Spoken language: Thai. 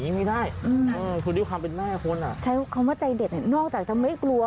ใช้คำว่าใจเด็ดน่าจะมันไม่กลัวใช้คำว่าใจเด็ดแต่ไม่กลัว